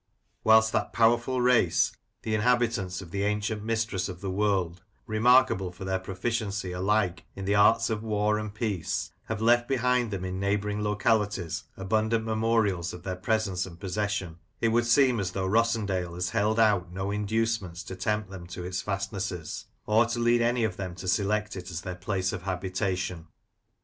Whilst that powerful race, the inhabitants of the ancient mistress of the world, remarkable for their proficiency alike in the arts of war and peace, have left behind them in neighbouring localities abundant memorials of their presence and possession, it would seem as though Rossendale had held out no inducements to tempt them to its fastnesses, or to lead any of them to select it as their place of habitation.